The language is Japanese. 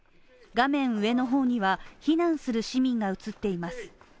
画面上の方には、避難する市民が映っています。